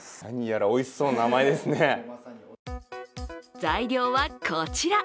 材料はこちら。